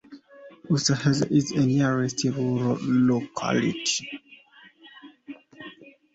Ustyuzhna is the nearest rural locality.